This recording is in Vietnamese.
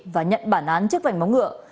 và nhận bản án trước vành móng ngựa